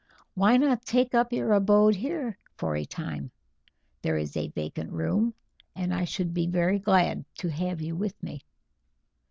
"Why not take up your abode here for a time? There is a vacant room, and I should be very glad to have you with me."